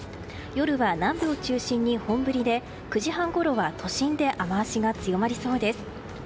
夜は南部を中心に本降りで９時半ごろは、都心で雨脚が強まりそうです。